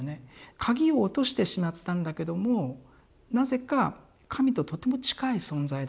鍵を落としてしまったんだけどもなぜか神ととても近い存在だって感じもするんです。